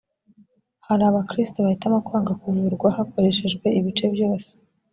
hari abakristo bahitamo kwanga kuvurwa hakoreshejwe ibice byose